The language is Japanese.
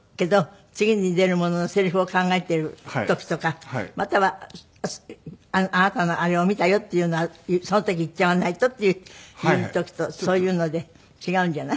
次に出るもののセリフを考えている時とかまたはあなたのあれを見たよっていうのはその時言っちゃわないとっていう時とそういうので違うんじゃない？